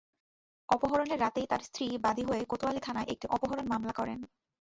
অপহরণের রাতেই তাঁর স্ত্রী বাদী হয়ে কোতোয়ালি থানায় একটি অপহরণ মামলা করেন।